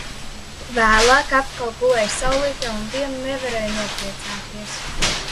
Vēlāk atkal gulēju saulītē un vien nevarēju nopriecāties.